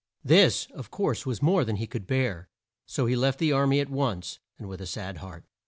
This, of course, was more than he could bear, so he left the ar my at once, and with a sad heart.